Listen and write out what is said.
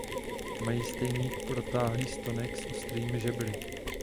Mají stejný protáhlý stonek s ostrými žebry.